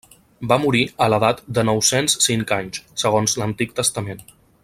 Va morir a l'edat de nou-cents cinc anys, segons l'Antic Testament.